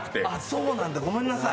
そうなんだ、ごめんなさい。